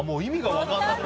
分かんない！